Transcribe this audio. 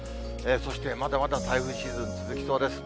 そしてまだまだ台風シーズン続きそうです。